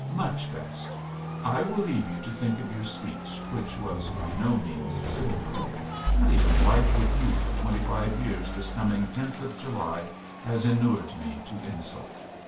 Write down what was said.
Much best. I will leave you to think of your speech, which was by no means silver. Not even life with you for twenty five years this coming 10th of July has inured me to insult.